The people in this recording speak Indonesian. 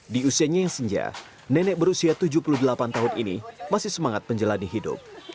di usianya yang senja nenek berusia tujuh puluh delapan tahun ini masih semangat menjalani hidup